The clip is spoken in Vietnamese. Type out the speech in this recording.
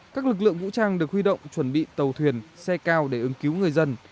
các lực lượng vũ trang được huy động chuẩn bị tàu thuyền xe cao để ứng cứu người dân